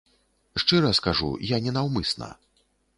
Шчыра скажу, я ненаўмысна.